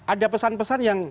ada pesan pesan yang